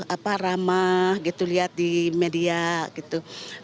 apa ramah gitu lihat di media gitu